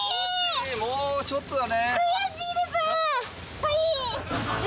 もうちょっとだね。